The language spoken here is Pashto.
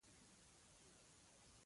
دوی د کیبلونو د ګوزارونو تجربه درلوده.